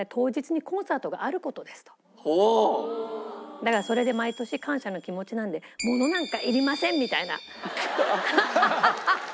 「だからそれで毎年感謝の気持ちなんで物なんかいりません」みたいな。